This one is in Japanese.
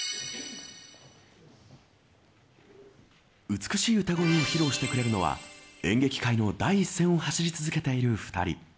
美しい歌声を披露してくれるのは演劇界の第一線を走り続けている２人。